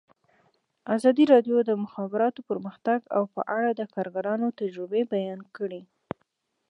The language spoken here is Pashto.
ازادي راډیو د د مخابراتو پرمختګ په اړه د کارګرانو تجربې بیان کړي.